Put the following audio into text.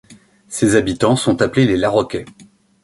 Ses habitants sont appelés les Laroquais.